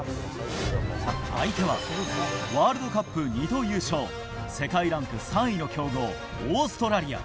相手はワールドカップ２度優勝世界ランク３位の強豪オーストラリア。